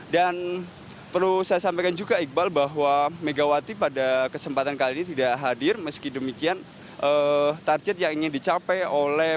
dan perlu saya sampaikan juga iqbal bahwa megawati pada kesempatan kali ini tidak hadir meski demikian target yang ingin dicapai oleh